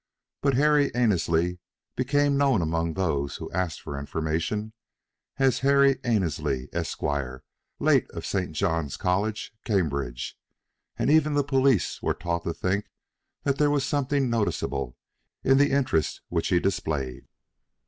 But Harry Annesley became known among those who asked for information as Henry Annesley, Esq., late of St. John's College, Cambridge; and even the police were taught to think that there was something noticeable in the interest which he displayed.